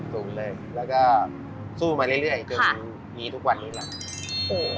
สูงเลยแล้วก็สู้มาเรื่อยจนมีทุกวันนี้แหละ